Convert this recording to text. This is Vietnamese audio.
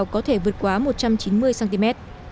có thể vượt qua một trăm chín mươi cm